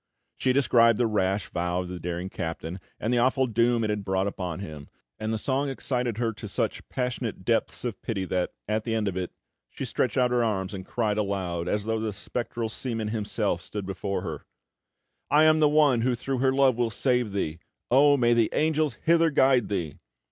She described the rash vow of the daring captain, and the awful doom it had brought upon him, and the song excited her to such passionate depths of pity that, at the end of it, she stretched out her arms and cried aloud, as though the spectral seaman himself stood before her: "I am the one who through her love will save thee! Oh, may the Angels hither guide thee!